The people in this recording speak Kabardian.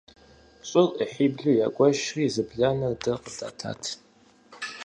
ЩӀыр Ӏыхьиблу ягуэшри, зы бланэр дэ къыдатат.